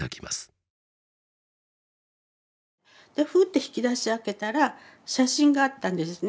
ふって引き出し開けたら写真があったんですね